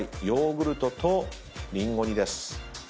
ヨーグルトとりんご煮です。